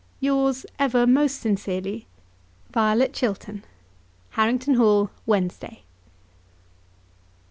Yours ever most sincerely, VIOLET CHILTERN. Harrington Hall, Wednesday.